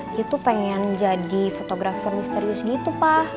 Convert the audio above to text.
dia tuh pengen jadi fotografer misterius gitu pa